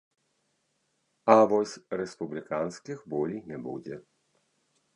А вось рэспубліканскіх болей не будзе.